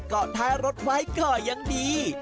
ก็ทารถไฟคอยางดี